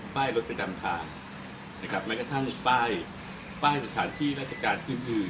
ป้ายรถกระจำทางไม่กระทั่งป้ายสถานที่รัฐการณ์ชุมลื่น